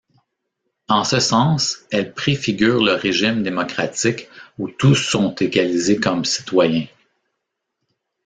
En ce sens, elle préfigure le régime démocratique où tous sont égalisés comme citoyens.